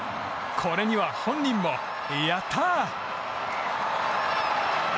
これには本人も、やったー！